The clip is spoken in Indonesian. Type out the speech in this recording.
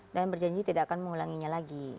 dan berjanji tidak akan mengulanginya lagi